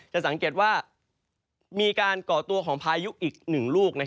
จะสังเกตว่ามีการก่อตัวของพายุอีก๑ลูก